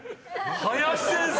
林先生！